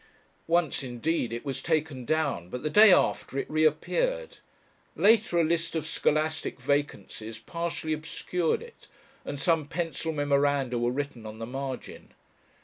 Once indeed it was taken down, but the day after it reappeared. Later a list of scholastic vacancies partially obscured it, and some pencil memoranda were written on the margin.